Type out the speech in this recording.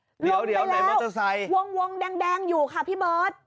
ลงไปแล้ววงแดงอยู่ค่ะพี่เบิร์ดมอเตอร์ไซ